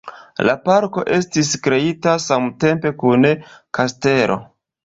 La parko estis kreita samtempe kun la kastelo.